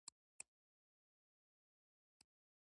چې بېشکه انسان خامخا په زیان کې دی.